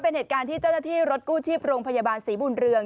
เป็นเหตุการณ์ที่เจ้าหน้าที่รถกู้ชีพโรงพยาบาลศรีบุญเรือง